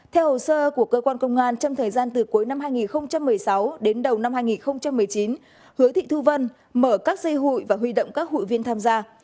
theo hồ sơ của cơ quan công an trong thời gian từ cuối năm hai nghìn một mươi sáu đến đầu năm hai nghìn một mươi chín hứa thị thu vân mở các dây hụi và huy động các hụi viên tham gia